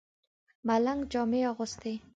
ملنګ جامې اغوستې.